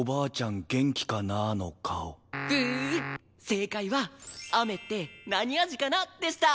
正解は「雨って何味かな？」でした！